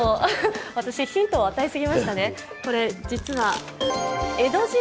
私、ヒントを与えすぎましたね。